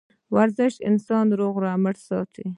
ورزش انسان روغ رمټ ساتي